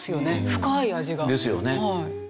深い味が。ですよね。